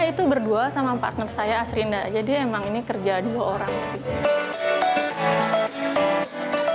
saya itu berdua sama partner saya asrinda jadi emang ini kerja dua orang sih